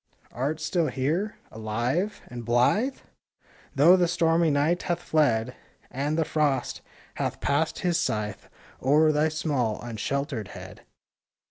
Art still here ? Alive ? and blithe ? Though the stormy Night hath fled, And the Frost hath passed his scythe O'er thy small, unsheltered head?